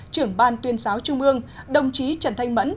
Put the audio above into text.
trưởng ban tuyên giáo trung ương đồng chí trần thanh mẫn